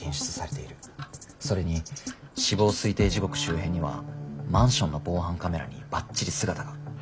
それに死亡推定時刻周辺にはマンションの防犯カメラにばっちり姿が。